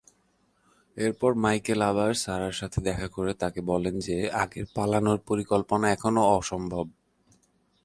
এরপর মাইকেল আবার সারার সাথে দেখা করে তাকে বলেন যে আগের পালানোর পরিকল্পনা এখন অসম্ভব।